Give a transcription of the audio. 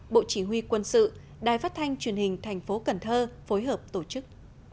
bộ chỉ huy quân sự đài phát thanh truyền hình thành phố cần thơ phối hợp tổ chức